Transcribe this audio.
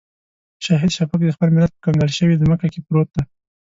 شهید شفیق د خپل ملت په کنګال شوې ځمکه کې پروت دی.